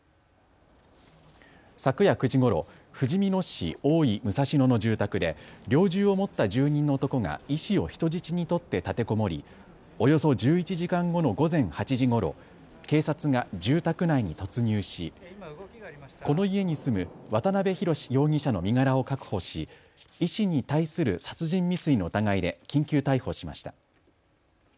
昨夜９時ごろ、ふじみ野市大井武蔵野の住宅で猟銃を持った住人の男が医師を人質に取って立てこもりおよそ１１時間後の午前８時ごろ警察が住宅内に突入しこの家に住む渡邊宏容疑者の身柄を確保し、医師に対する殺人未遂の疑いで緊急逮捕しました。